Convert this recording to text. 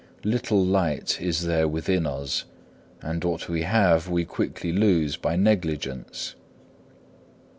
Little light is there within us, and what we have we quickly lose by negligence.